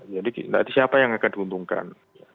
jadi siapa yang akan diuntungkan